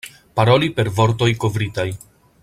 Paroli per vortoj kovritaj.